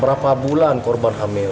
berapa bulan korban hamil